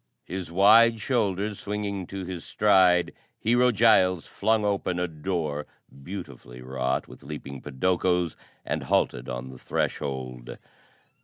His wide shoulders swinging to his stride, Hero Giles flung open a door, beautifully wrought with leaping podokos, and halted on the threshold.